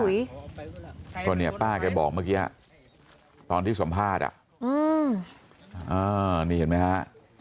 เพราะเนี่ยป้าแกบอกเมื่อกี้อ่ะตอนที่สัมภาษณ์อ่ะนี่เห็นมั้ยฮะ